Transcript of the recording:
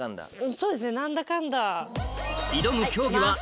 そうですね何だかんだ。